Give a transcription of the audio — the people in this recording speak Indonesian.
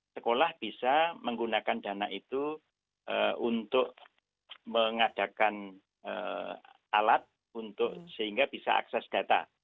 sekolah bisa menggunakan dana itu untuk mengadakan alat untuk sehingga bisa akses data